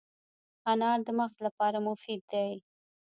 انار د مغز لپاره مفید دی.